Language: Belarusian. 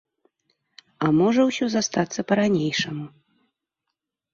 А можа ўсё застацца па-ранейшаму.